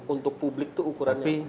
untuk publik itu ukurannya